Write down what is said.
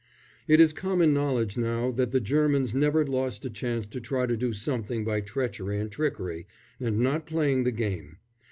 It is common knowledge now that the Germans never lost a chance of trying to do something by treachery and trickery and not playing the game.